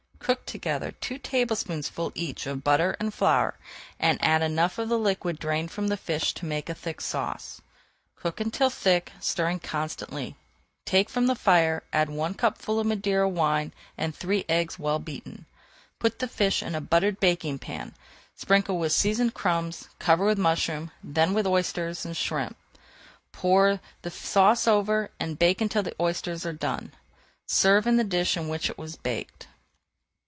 Cook together two tablespoonfuls each of butter and flour and add enough of the liquid drained from the fish to make a thick sauce. Cook until thick, stirring constantly, take from the fire, add one cupful of Madeira wine and three eggs well beaten. Put the fish in a buttered baking pan, sprinkle with seasoned crumbs, cover with mushrooms, then with oysters and shrimps. Pour the sauce over and bake until the oysters are done. Serve in the dish in which it was baked.